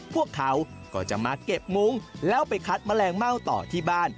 พวกเขาก็จะมาเก็บมุ้งแล้วไปคัดแมลงเม่าต่อที่บ้าน